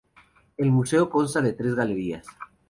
El museo consta de tres galerías.